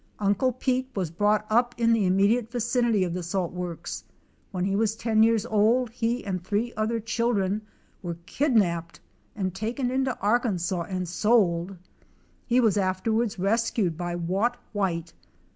Uncle Pete was brought up in the im modiate vicinity of the salt works. When he was 10 years old he and three other children were kidnapped and taken into Arkansas and sold. He was afterwards rescued by Watt White.